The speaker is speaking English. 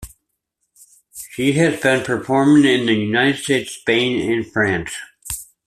She has been performing in the United States, Spain, and France.